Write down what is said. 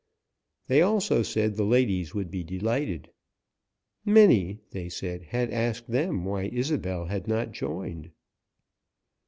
They also said the ladies would be delighted. Many, they said, had asked them why Isobel had not joined.